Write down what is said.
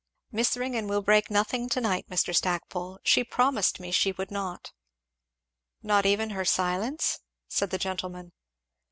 "Miss Ringgan will break nothing to night, Mr. Stackpole she promised me she would not." "Not even her silence?" said the gentleman.